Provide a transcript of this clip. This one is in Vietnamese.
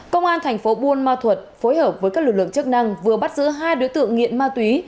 công an thành phố buôn ma thuật phối hợp với các lực lượng chức năng vừa bắt giữ hai đối tượng nghiện ma túy